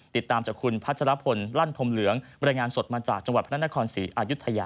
ติดตามจากคุณพัชรพลลั่นธมเหลืองบรรยายงานสดมาจากจังหวัดพระนครศรีอายุทยา